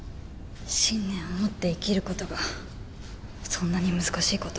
信念を持って生きる事がそんなに難しい事？